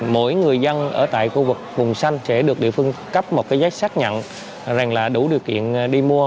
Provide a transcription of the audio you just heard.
mỗi người dân ở tại khu vực vùng xanh sẽ được địa phương cấp một cái giấy xác nhận rằng là đủ điều kiện đi mua